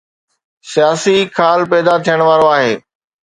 سياسي خال پيدا ٿيڻ وارو آهي.